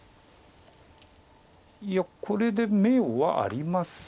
いやこれで眼はあります。